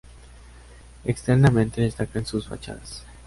Externamente destacan sus fachadas.